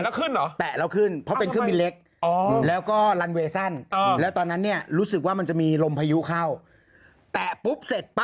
แกนดิ้งแล้วปุ่งขึ้นอีกปื๊ป